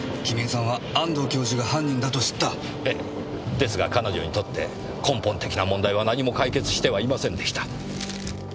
ですが彼女にとって根本的な問題は何も解決してはいませんでした。